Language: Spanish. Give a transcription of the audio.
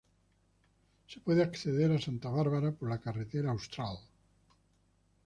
Se puede acceder a Santa Bárbara por la Carretera Austral.